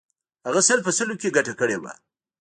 هغه سل په سلو کې ګټه کړې وه.